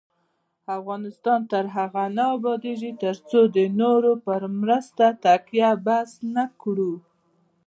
افغانستان تر هغو نه ابادیږي، ترڅو د نورو په مرستو تکیه بس نکړو.